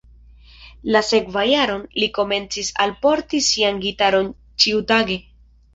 La sekvan jaron, li komencis alporti sian gitaron ĉiutage.